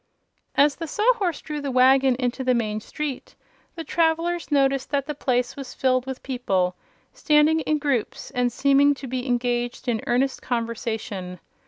As the Sawhorse drew the wagon into the main street the travelers noticed that the place was filled with people, standing in groups and seeming to be engaged in earnest conversation.